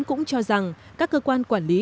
cũng cho rằng các cơ quan quản lý